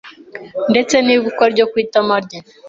ndetse n’igufwa ryo ku itama rye